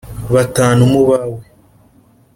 Batanu mu bawe :